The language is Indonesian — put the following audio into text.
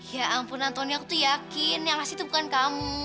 ya ampun antoni aku tuh yakin yang ngasih itu bukan kamu